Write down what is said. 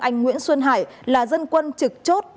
anh nguyễn xuân hải là dân quân trực chốt